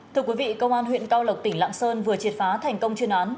thưa quý vị công an huyện cao lộc tỉnh lạng sơn vừa triệt phá thành công chuyên án